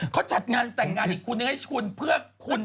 เขาจัดงานแหละแต่งงานอีกคุณหนึ่งให้คุณ